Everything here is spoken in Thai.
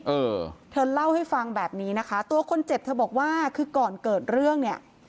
เออเธอเล่าให้ฟังแบบนี้นะคะตัวคนเจ็บเธอบอกว่าคือก่อนเกิดเรื่องเนี่ย